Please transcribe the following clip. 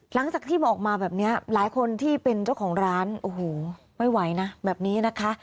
หลังจากที่บอกมาแบบนี้หลายคนที่เป็นเจ้าของร้านโอ้โหไม่ไหวนะแบบนี้นะคะ